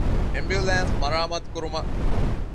އެމްބިއުލާންސް މަރާމާތުކުރުމަށް